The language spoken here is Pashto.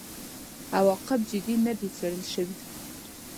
عواقب جدي نه دي څېړل شوي.